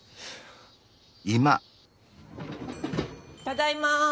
ただいま！